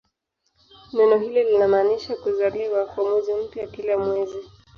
Neno hilo linamaanisha "kuzaliwa" kwa mwezi mpya kila mwezi.